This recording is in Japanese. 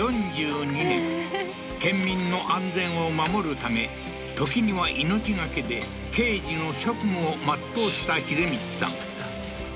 ４２年県民の安全を守るため時には命懸けで刑事の職務を全うした秀充さん